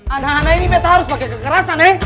anak anak ini minta harus pakai kekerasan he